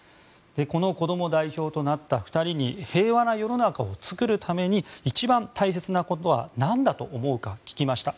このこども代表となった２人に平和な世の中を作るために一番大切なことはなんだと思うか聞きました。